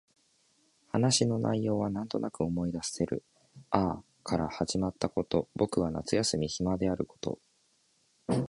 話の内容はなんとなく思い出せる。やあ、から会話が始まったこと、僕は夏休み暇であること、